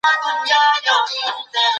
افغان ماشومان بهر ته د سفر ازادي نه لري.